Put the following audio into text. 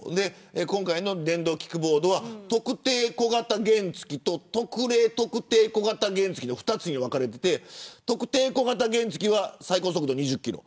今回の電動キックボードは特定小型原付と特例特定小型原付の２つに分かれていて特定小型原付は最高速度２０キロ。